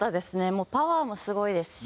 もうパワーもすごいですし。